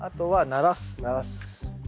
ならす。